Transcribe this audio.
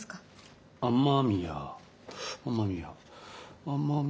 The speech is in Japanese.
雨宮雨宮